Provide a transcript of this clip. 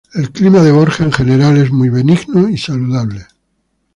El clima de Borja, en general, es muy benigno y saludable.